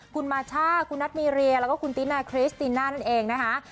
คุณมาช่าคุณนัทมีเรียแล้วก็คุณตินาคริสติน่านั่นเองนะคะ